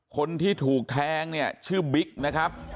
คนที่ถูกแทงเนี่ยชื่อบิ๊กนะครับ